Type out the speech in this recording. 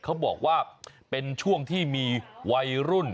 เขาบอกว่าเป็นช่วงที่มีวัยรุ่น